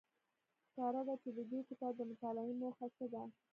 ښکاره ده چې د دې کتاب د مطالعې موخه څه ده.